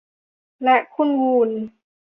และคุณวูน